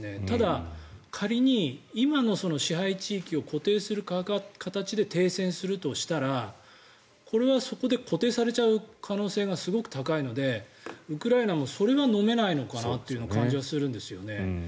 ただ、仮に今の支配地域を固定する形で停戦するとしたら、これはそこで固定されちゃう可能性がすごく高いのでウクライナもそれはのめないのかなという感じがするんですよね。